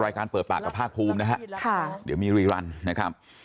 กรายการเปิดปากกับภากภูมินะครับ